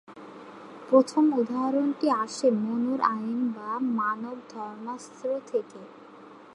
প্রথম উদাহরণটি আসে মনুর আইন বা মানব ধর্মশাস্ত্র থেকে।